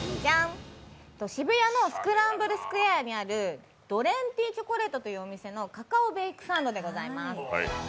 渋谷のスクランブルスクエアにあるＤ’ＲＥＮＴＹＣＨＯＣＯＬＡＴＥというお店のカカオベイクサンドでございます。